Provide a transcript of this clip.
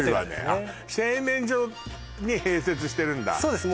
あ製麺所に併設してるんだそうです